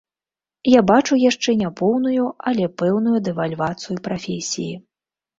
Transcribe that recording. Я бачу яшчэ не поўную, але пэўную дэвальвацыю прафесіі.